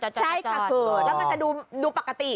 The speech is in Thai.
ใช่ค่ะคือแล้วมันจะดูปกติ